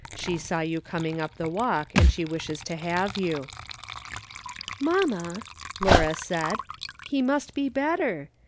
She saw you coming up the walk, and she M'ishes to have you." "Mamma," Laura said, "he must be better.